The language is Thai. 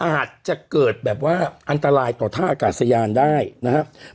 อาจจะเกิดแบบว่าอันตรายต่อท่าอากาศยานได้นะครับ